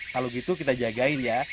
kalau gitu kita jagain ya